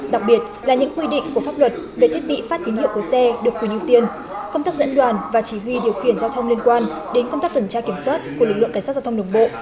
đặc biệt là những quy định của pháp luật về thiết bị phát tín hiệu của xe được quyền ưu tiên công tác dẫn đoàn và chỉ huy điều khiển giao thông liên quan đến công tác tuần tra kiểm soát của lực lượng cảnh sát giao thông đồng bộ